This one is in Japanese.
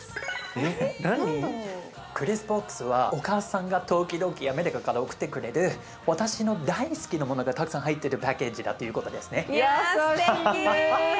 クリスボックスはお母さんが時々アメリカから送ってくれる私の大好きなものがたくさん入ってるパッケージだということですね。